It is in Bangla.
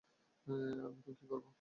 আমি এখন কি করব?